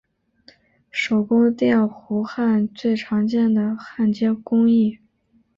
手工电弧焊最常见的焊接工艺。